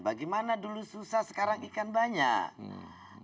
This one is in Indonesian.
bagaimana dulu susah sekarang ikan banyak